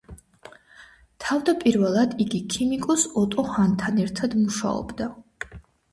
თავდაპირველად, იგი ქიმიკოს ოტო ჰანთან ერთად მუშაობდა.